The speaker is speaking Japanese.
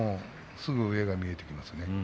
すぐ上が見えてきますね。